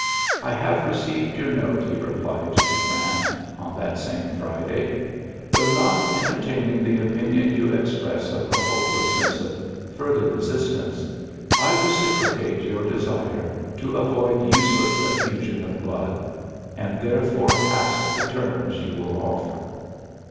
''I have received your note," he replied to Grant on that same Friday. *' Though not entertaining the opinion you express of the hoi)elessness of further resistance, I reciprocate your desire to avoid useless eflftision of blood, and therefore ask the terms you will oflFer."